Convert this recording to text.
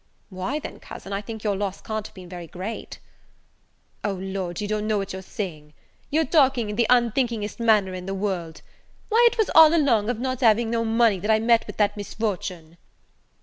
"Why, then cousin, I think your loss can't have been very great." "O Lord, you don't know what you're a saying; you're talking in the unthinkingest manner in the world: why, it was all along of not having no money that I met with that misfortune."